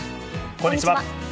こんにちは。